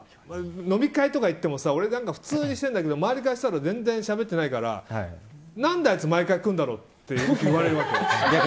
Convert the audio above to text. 飲み会とか行ってもさ俺、普通にしてるんだけど周りからしたら全然しゃべってないから何であいつ毎回来るんだろうって言われるわけ。